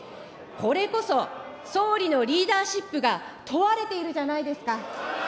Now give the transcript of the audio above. これこそ、総理のリーダーシップが問われているじゃないですか。